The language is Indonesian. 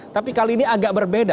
tapi kali ini agak berbeda